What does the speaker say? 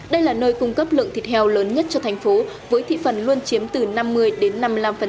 đây là nơi cung cấp lượng thịt heo lớn nhất cho thành phố với thị phần luôn chiếm từ năm mươi đến năm mươi năm